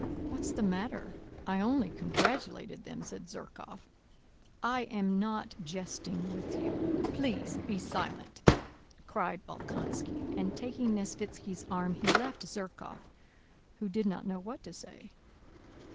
"What's the matter? I only congratulated them," said Zherkóv. "I am not jesting with you; please be silent!" cried Bolkónski, and taking Nesvítski's arm he left Zherkóv, who did not know what to say.